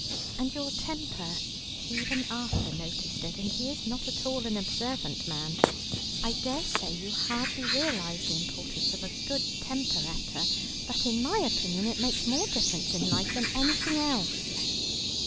And your temper even Arthur noticed it, and he is not at all an observant man. I daresay you hardly realize the importance of a good temper, Etta, but in my opinion it makes more difference in life than anything else."